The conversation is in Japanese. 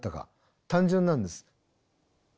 単純なんです。